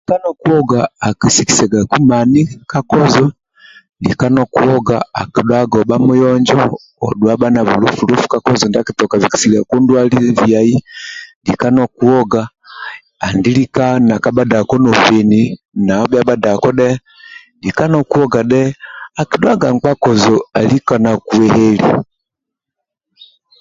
Lika nokuoga akisikisagaku mani kakozo lika nokuoga akidhuaga oba muyonjo odhuwa bako na bulofu lofu ka kozo ndiako ndia kitoka bikisiliako ndwali lika no kuoga akidhuaga olika no bheni kabadako lika no kuoga akidhuaga kozo alika na kuheheli